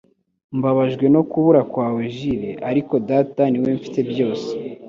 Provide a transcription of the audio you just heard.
Mbabajwe no kubura kwawe, Jule, ariko data, niwe mfite byose.